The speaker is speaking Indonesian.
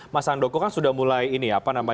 mas andoko kan sudah mulai ini